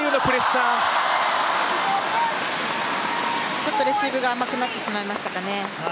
ちょっとレシーブが甘くなってしまいましたかね。